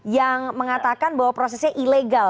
yang mengatakan bahwa prosesnya ilegal